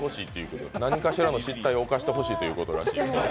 何かしらの失態を犯してほしいということらしい。